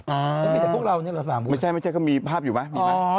มีแต่พวกเราเนี่ยหรอฝ่าวมีมีไม่ใช่ก็มีภาพอยู่ไหม